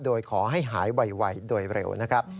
โดยขอให้หายไวเว่ยเว่ยโดยเร็วนะครับ